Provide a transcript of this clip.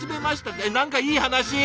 えっ何かいい話。